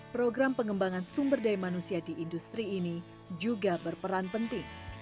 program pengembangan sumber daya manusia di industri ini juga berperan penting